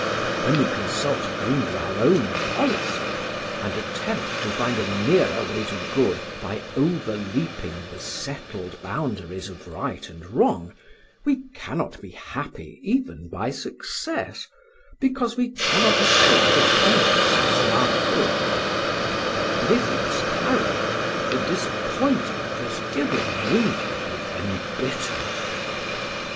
When we consult only our own policy, and attempt to find a nearer way to good by over leaping the settled boundaries of right and wrong, we cannot be happy even by success, because we cannot escape the consciousness of our fault; but if we miscarry, the disappointment is irremediably embittered.